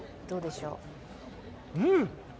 うん！